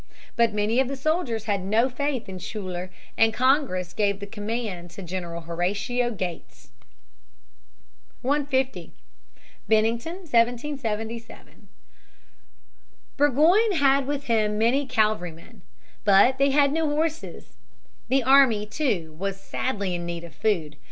But many of the soldiers had no faith in Schuyler and Congress gave the command to General Horatio Gates. [Sidenote: Battle of Bennington, 1777. Hero Tales, 59 67.] 150. Bennington, 1777. Burgoyne had with him many cavalrymen. But they had no horses. The army, too, was sadly in need of food.